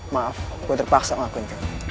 maaf gue terpaksa ngakuin